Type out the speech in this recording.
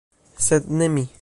Sed ne mi.